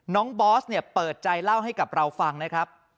บอสเนี่ยเปิดใจเล่าให้กับเราฟังนะครับ